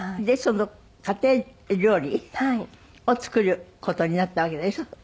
でその家庭料理？を作る事になったわけでしょ？